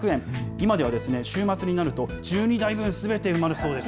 今ではですね、週末になると、１２台分すべて埋まるそうです。